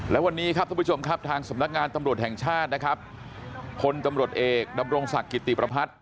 และวันนี้ครับท่านผู้ชมครับทางสำนักงานตำรวจแห่งชาตินะครับพลตำรวจเอกดำรงศักดิ์กิติประพัฒน์